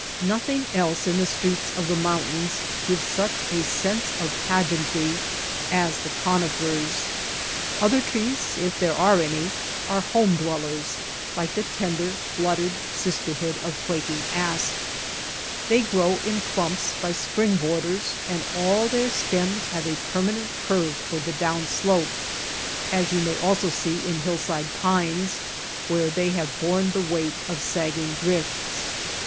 Nothing else in the streets of the moun tains gives such a sense of pageantry as the conifers ; other trees, if there are any, are home dwellers, like the tender fluttered, sisterhood of quaking asp. They grow in clumps by spring borders, and all their stems have a permanent curve toward the IQ2 THE STREETS OF THE MOUNTAINS down slope, as you may also see in hill side pines, where they have borne the weight of sagging drifts.